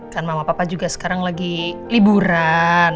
kan mama papa juga sekarang lagi liburan